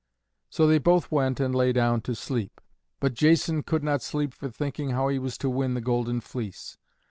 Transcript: So they both went and lay down to sleep. But Jason could not sleep for thinking how he was to win the Golden Fleece.